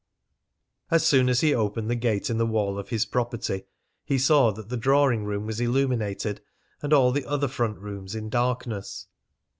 As soon as he opened the gate in the wall of his property, he saw that the drawing room was illuminated and all the other front rooms in darkness.